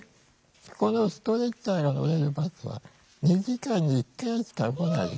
このストレッチャーが乗れるバスは２時間に１回しか来ない？